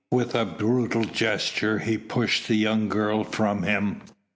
With a brutal gesture he pushed the young girl from him.